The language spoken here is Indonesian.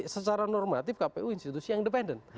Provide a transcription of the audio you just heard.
secara normatif kpu institusi yang independen